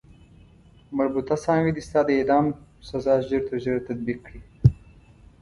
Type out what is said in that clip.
مربوطه څانګه دې ستا د اعدام سزا ژر تر ژره تطبیق کړي.